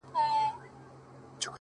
• ما خو څو واره ازمويلى كنه،